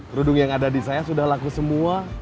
kerudung yang ada di saya sudah laku semua